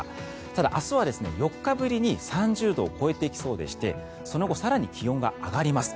ただ、明日は４日ぶりに３０度を超えてきそうでしてその後、更に気温が上がります。